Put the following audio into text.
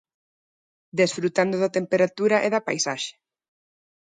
Desfrutando da temperatura e da paisaxe.